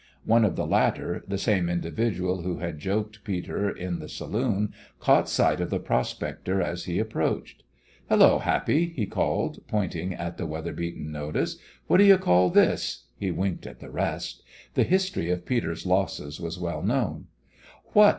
One of the latter, the same individual who had joked Peter in the saloon, caught sight of the prospector as he approached. "Hullo, Happy!" he called, pointing at the weather beaten notice. "What do you call this?" He winked at the rest. The history of Peter's losses was well known. "What?"